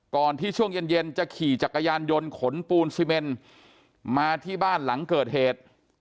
ก่อนที่ช่วงเย็นจะขี่จักรยานยนต์ขนปูนซีเมนมาที่บ้านหลังเกิดเหตุ